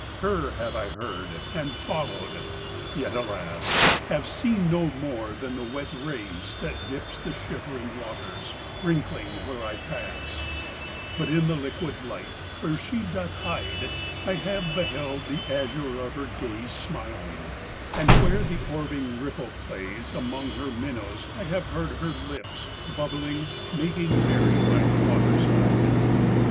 Her have I heard and followed, yet, alas! Have seen no more than the wet ray that dips The shivered waters, wrinkling where I pass; But in the liquid light, where she doth hide, I have beheld the azure of her gaze Smiling; and, where the orbing ripple plays, Among her minnows I have heard her lips, Bubbling, make merry by the waterside.